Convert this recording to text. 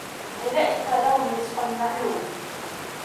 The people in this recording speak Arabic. أُولئِكَ لَهُم رِزقٌ مَعلومٌ